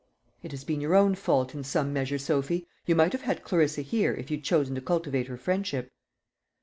"It has been your own fault in some measure, Sophy. You might have had Clarissa here, if you'd chosen to cultivate her friendship."